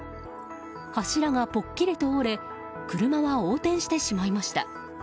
柱がぽっきりと折れ車は横転してしまいました。